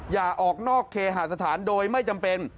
อย่าออกนอกเคหาสถานโดยไม่จำเป็น